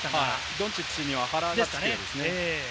ドンチッチには原が付くようですね。